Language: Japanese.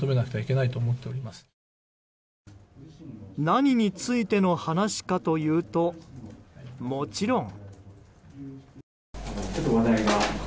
何についての話かというともちろん。